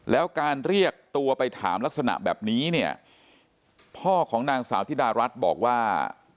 แล้วการเรียกตัวไปถามลักษณะแบบนี้เนี่ยพ่อของนางสาวธิดารัฐบอกว่า